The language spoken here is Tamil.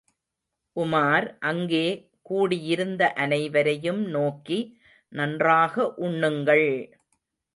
உமார் அங்கே கூடியிருந்த அனைவரையும் நோக்கி, நன்றாக உண்ணுங்கள்!